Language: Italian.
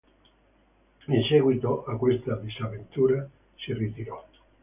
In seguito a questa disavventura, si ritirò.